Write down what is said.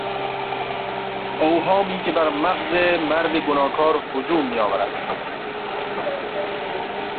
اوهامی که بر مغز مرد گناهکار هجوم میآورد